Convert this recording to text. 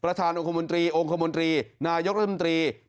ประธานองค์คมดรีองค์คมดรีนายกสมดุลางการราชมนตรี